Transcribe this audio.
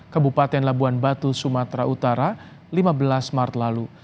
kabupaten labuan batu sumatera utara lima belas maret lalu